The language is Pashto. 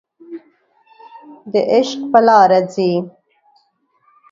د عشق په لاره ځي